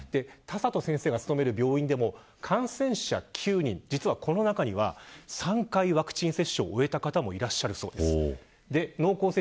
田里先生が勤める病院でも感染者が９人実は、この中には３回ワクチン接種を終えた方もいらっしゃるそうです。